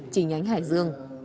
chỉ nhánh hải dương